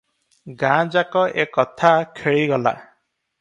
ଗାଁ ଯାକ ଏ କଥା ଖେଳିଗଲା ।